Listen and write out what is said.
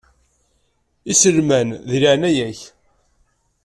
Iselman, di leɛnaya-k.